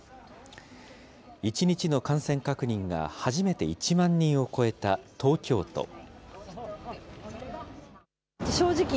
１日の感染確認が初めて１万人を超えた東京都。